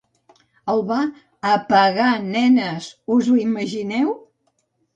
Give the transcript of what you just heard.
El va a-pa-gar, nenes, us ho imagineu?